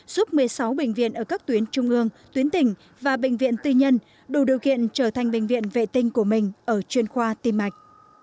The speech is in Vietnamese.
giúp một mươi sáu bệnh viện ở các tuyến trung ương tuyến tỉnh và bệnh viện tư nhân đủ điều kiện trở thành bệnh viện vệ tinh của mình ở chuyên khoa tim mạch